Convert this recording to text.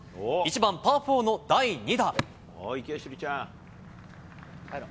１番パー４の第２打。